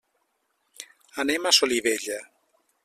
Anem a Solivella.